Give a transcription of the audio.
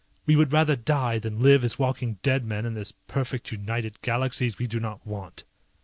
We would rather die than live as walking dead men in this perfect United Galaxies we do not want."